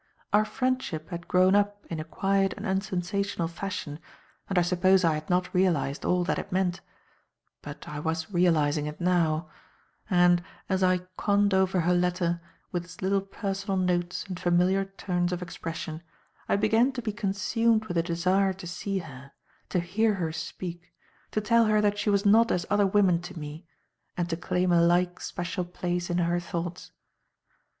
Our friendship had grown up in a quiet and unsensational fashion and I suppose I had not realized all that it meant; but I was realizing it now; and, as I conned over her letter, with its little personal notes and familiar turns of expression, I began to be consumed with a desire to see her, to hear her speak, to tell her that she was not as other women to me, and to claim a like special place in her thoughts.